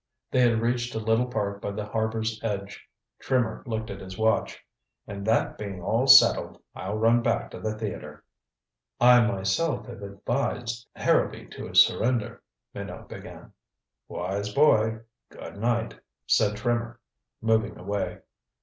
They had reached a little park by the harbor's edge. Trimmer looked at his watch. "And that being all settled, I'll run back to the theater." "I myself have advised Harrowby to surrender " Minot began. "Wise boy. Good night," said Trimmer, moving away.